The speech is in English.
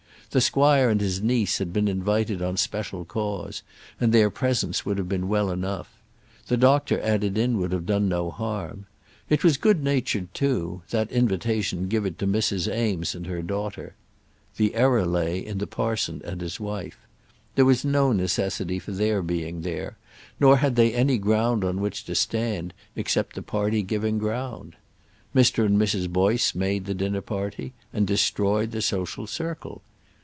The squire and his niece had been invited on special cause, and their presence would have been well enough. The doctor added in would have done no harm. It was good natured, too, that invitation given to Mrs. Eames and her daughter. The error lay in the parson and his wife. There was no necessity for their being there, nor had they any ground on which to stand, except the party giving ground. Mr. and Mrs. Boyce made the dinner party, and destroyed the social circle.